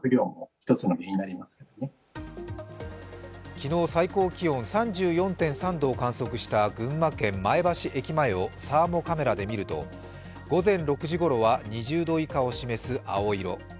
昨日、最高気温３４．３度を観測した群馬県・前橋駅前をサーモカメラで見ると、午前６時ごろは２０度以下を示す青色。